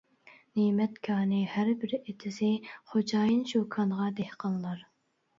نېمەت كانى ھەر بىر ئېتىزى، خوجايىن شۇ كانغا دېھقانلار.